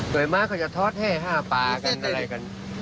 โดยม้าเขาจะทอดแห้๕ปลากันอะไรกัน